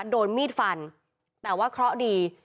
โดนมีดฟันแต่ว่าเคราะห์ดี